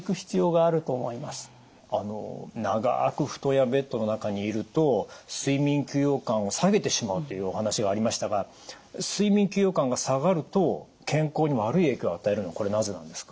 あの長く布団やベッドの中にいると睡眠休養感を下げてしまうというお話がありましたが睡眠休養感が下がると健康に悪い影響を与えるのはこれなぜなんですか？